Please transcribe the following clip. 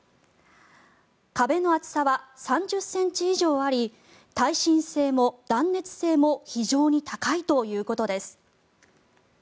壁の厚さは３０ｃｍ以上あり耐震性も断熱性も非常に高いということです。